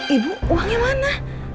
ibu uangnya mana